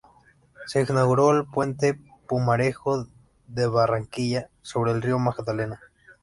Se inauguró el puente Pumarejo de Barranquilla sobre el río Magdalena.